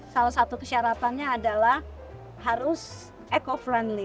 salah satu kesyaratannya adalah harus eco friendly